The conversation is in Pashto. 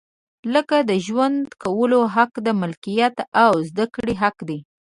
لکه د ژوند کولو حق، د ملکیت او زده کړې حق دی.